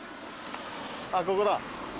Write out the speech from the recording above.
あっここだ。